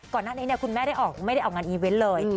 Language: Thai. ก่อนหน้านี้คุณแม่ได้ออกไม่ได้ออกงานอีเวนต์เลย